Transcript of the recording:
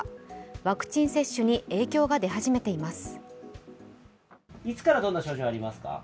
ワクチン接種に影響が出始めています。